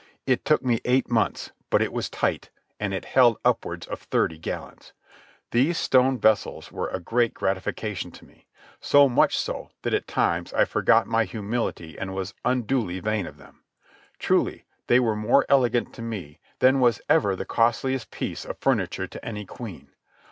It took me eight months, but it was tight, and it held upwards of thirty gallons. These stone vessels were a great gratification to me—so much so, that at times I forgot my humility and was unduly vain of them. Truly, they were more elegant to me than was ever the costliest piece of furniture to any queen.